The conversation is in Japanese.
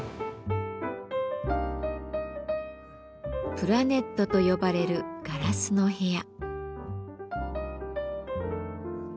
「プラネット」と呼ばれるガラスの部屋。